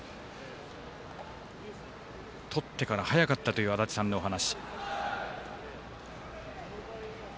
とってから早かったという足達さんのお話。